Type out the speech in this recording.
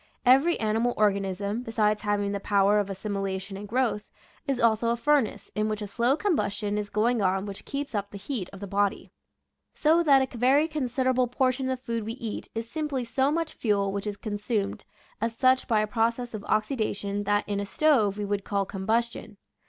Every animal organism, besides having the power of as similation and growth, is also a furnace in which a slow combustion is going on which keeps up the heat of the body. So that a very considerable portion of the food we eat is simply so much fuel which is consumed as such by a process of oxidation that in a stove we would call combustion.